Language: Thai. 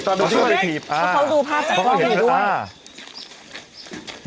เขาดูภาพจากของเขาด้วย